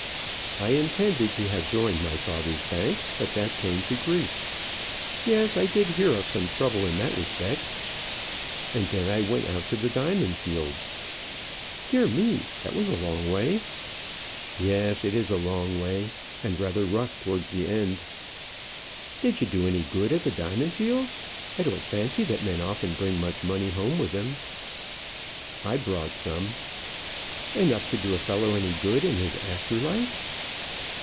"I intended to have joined my father's bank, but that came to grief." "Yes; I did hear of some trouble in that respect." "And then I went out to the diamond fields." "Dear me! that was a long way." "Yes, it is a long way, and rather rough towards the end." "Did you do any good at the diamond fields? I don't fancy that men often bring much money home with them." "I brought some." "Enough to do a fellow any good in his after life?"